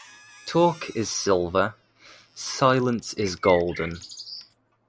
Talk is silver, silence is golden.